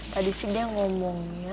tadi sih dia ngomongnya